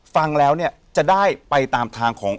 ฟังแล้วเนี่ยจะได้ไปตามทางของ